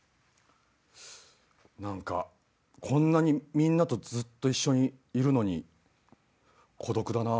何かこんなにみんなとずっと一緒にいるのに。